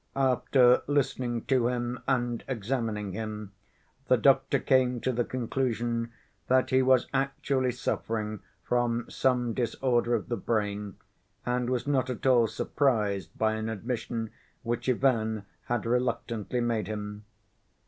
After listening to him and examining him the doctor came to the conclusion that he was actually suffering from some disorder of the brain, and was not at all surprised by an admission which Ivan had reluctantly made him.